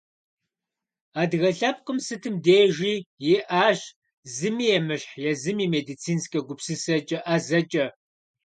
Адыгэ лъэпкъым сытым дежи иӏащ зыми емыщхь езым и медицинскэ гупсысэкӏэ, ӏэзэкӏэ.